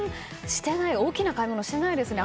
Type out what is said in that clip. してない大きな買い物してないですね。